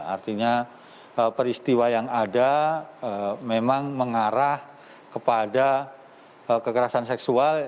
artinya peristiwa yang ada memang mengarah kepada kekerasan seksual